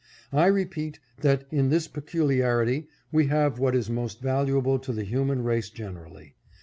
I repeat, that, in this peculiarity, we have what is most valuable to the human race generally.